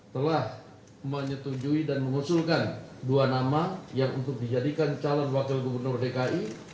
telah menyetujui dan mengusulkan dua nama yang untuk dijadikan calon wakil gubernur dki